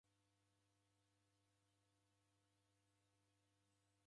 Iji isanga jaw'iachanoneka.